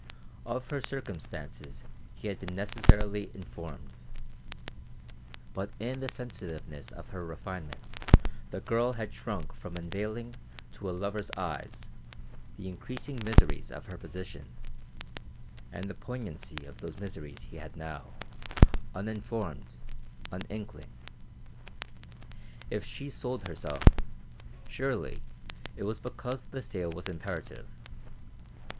Of her circumstances he had been necessarily informed. But in the sensitiveness of her refinement the girl had shrunk from unveiling to a lover's eyes the increasing miseries of her position, and of the poignancy of those miseries he had now, uninformed, an inkling. If she sold herself, surely it was because the sale was imperative.